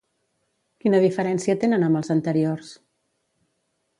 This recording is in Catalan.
Quina diferència tenen amb els anteriors?